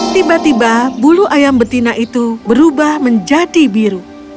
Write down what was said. tiba tiba bulu ayam betina itu berubah menjadi biru